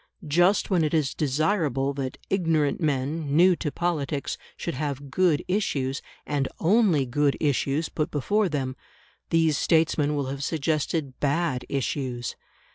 Just when it is desirable that ignorant men, new to politics, should have good issues, and only good issues, put before them, these statesmen will have suggested bad issues.